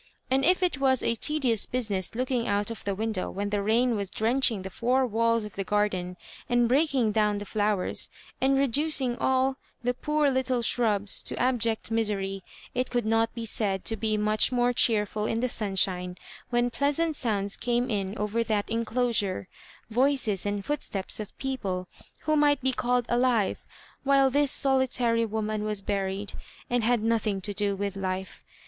And if it was a tedious business looking out of the window when the rain was drenching the four walls of the garden and breaking down the flowers, and reducing all the poor little shrubs to abject misery, it could not be said to be much more cheerful in the sunshine, when pleasant sounds came in over that enclosure— voices and footsteps of people who might be called alive, while this solitary woman was buried, and had nothing to do with life.